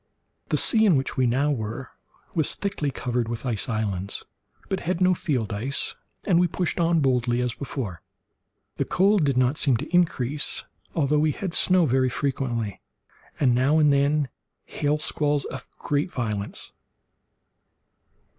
The sea in which we now were was thickly covered with ice islands, but had no field ice, and we pushed on boldly as before. The cold did not seem to increase, although we had snow very frequently, and now and then hail squalls of great violence.